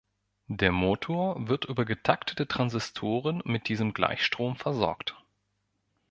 Der Motor wird über getaktete Transistoren mit diesem Gleichstrom versorgt.